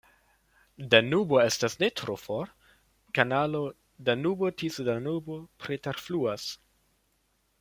Danubo estas ne tro for, kanalo Danubo-Tiso-Danubo preterfluas.